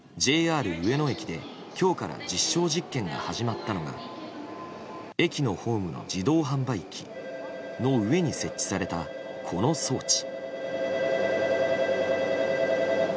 上野駅で今日から実証実験が始まったのが駅のホームの自動販売機の上に設置されたこの装置。